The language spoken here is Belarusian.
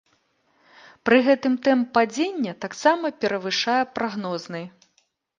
Пры гэтым тэмп падзення таксама перавышае прагнозны.